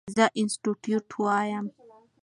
زه انسټيټيوټ وایم.